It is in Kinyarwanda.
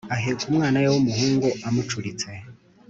aheka umwana we wumuhungu amucuriste